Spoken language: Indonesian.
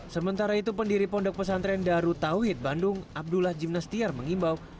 sementara itu pendiri pondok pesantren daru tauhid bandung abdullah jimnastiar mengimbau